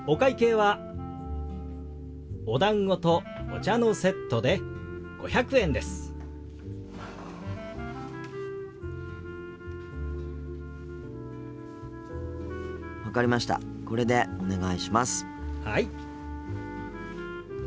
はい。